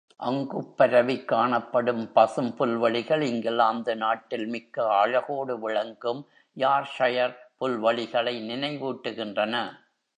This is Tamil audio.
அங்குப் பரவிக் காணப்படும் பசும் புல்வெளிகள், இங்கிலாந்து நாட்டில் மிக்க அழகோடு விளங்கும், யார்க்ஷைர் புல்வெளிகளை நினைவூட்டுகின்றன.